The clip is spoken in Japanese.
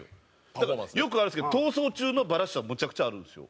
だからよくあるんですけど『逃走中』のバラシはむちゃくちゃあるんですよ。